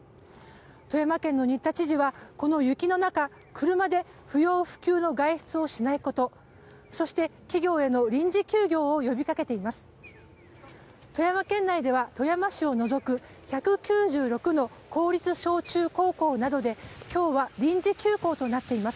富山県の新田知事はこの雪の中車で不要不急の外出をしないことそして企業への臨時休業を呼びかけています。